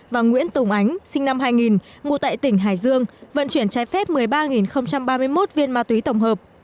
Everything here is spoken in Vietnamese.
và nguyễn tùng ánh sinh năm hai nghìn ngụ tại tỉnh hải dương vận chuyển trái phép một mươi ba ba mươi một viên ma túy tổng hợp